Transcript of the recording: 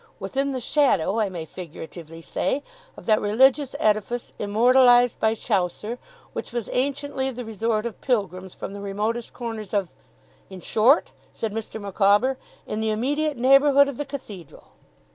Within the shadow, I may figuratively say, of that religious edifice immortalized by Chaucer, which was anciently the resort of Pilgrims from the remotest corners of in short,' said Mr. Micawber, 'in the immediate neighbourhood of the Cathedral.